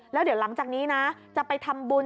แล้วเดี๋ยวหลังจากนี้นะจะไปทำบุญ